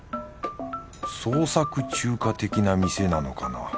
創作中華的な店なのかな？